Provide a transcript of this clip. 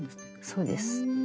そうです。